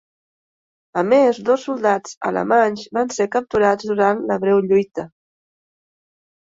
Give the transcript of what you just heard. A més, dos soldats alemanys van ser capturats durant la breu lluita.